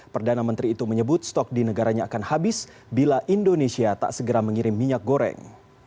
perdana menteri itu menyebut stok di negaranya akan habis bila indonesia tak segera mengirim minyak goreng